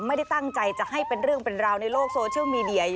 ไม่ได้ตั้งใจจะให้เป็นเรื่องเป็นราวในโลกโซเชียลมีเดีย